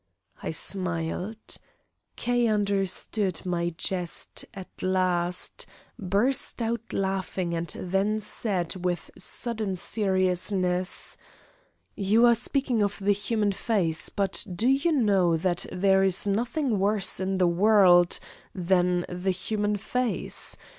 I smiled. K. understood my jest at last, burst out laughing and then said with sudden seriousness: "You are speaking of the human face but do you know that there is nothing worse in the world than the human face?